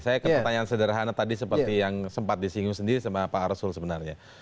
saya ke pertanyaan sederhana tadi seperti yang sempat disinggung sendiri sama pak arsul sebenarnya